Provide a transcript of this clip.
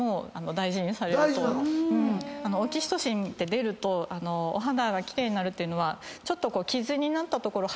オキシトシンって出るとお肌が奇麗になるっていうのは。